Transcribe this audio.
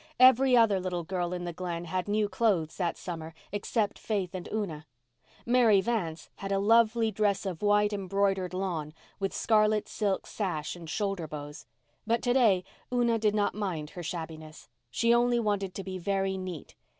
Every other little girl in the Glen had new clothes that summer except Faith and Una. Mary Vance had a lovely dress of white embroidered lawn, with scarlet silk sash and shoulder bows. But to day Una did not mind her shabbiness. She only wanted to be very neat.